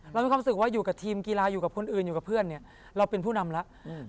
เรามีความรู้สึกว่าอยู่กับทีมกีฬาอยู่กับคนอื่นอยู่กับเพื่อนเนี่ยเราเป็นผู้นำแล้ว